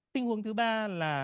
tình huống thứ ba là